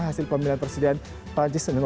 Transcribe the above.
hasil pemilihan presiden perancis